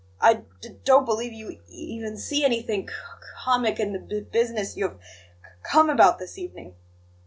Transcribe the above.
I d don't believe you e even see anything c c comic in the b business you have c come about this evening."